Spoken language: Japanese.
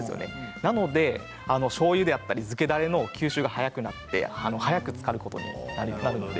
なのでしょうゆであったり漬けだれの吸収が早くなって早く漬かることになるので。